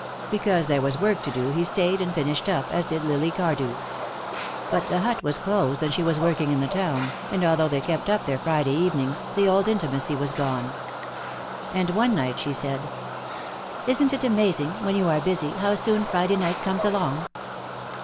Because there was work to do he stayed and finished up, as did Lily Cardew. But the hut was closed and she was working in the town, and although they kept up their Friday evenings, the old intimacy was gone. And one night she said: "Isn't it amazing, when you are busy, how soon Friday night comes along?"